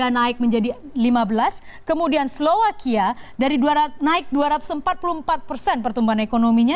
naik menjadi lima belas kemudian slovakia dari naik dua ratus empat puluh empat persen pertumbuhan ekonominya